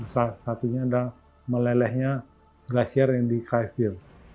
satunya adalah melelehnya glasier yang dikaitkan